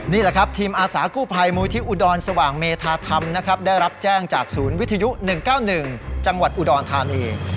นี่แหละครับทีมอาสากู้ภัยมูลที่อุดรสว่างเมธาธรรมนะครับได้รับแจ้งจากศูนย์วิทยุ๑๙๑จังหวัดอุดรธานี